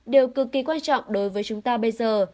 điều cực kỳ quan trọng đối với chúng ta bây giờ